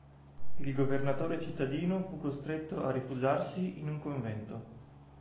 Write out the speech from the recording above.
Il Governatore cittadino fu costretto a rifugiarsi in un convento.